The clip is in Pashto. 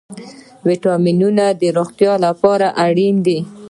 ویټامینونه د روغتیا لپاره اړین دي